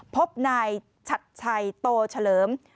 พบนายชัดชัยโตเฉลิม